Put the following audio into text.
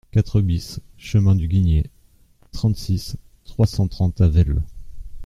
quatre BIS chemin du Guignier, trente-six, trois cent trente à Velles